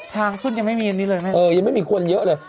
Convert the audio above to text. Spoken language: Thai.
ทางขึ้นยังไม่มีในนี้เลย